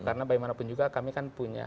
karena bagaimanapun juga kami kan masih kajian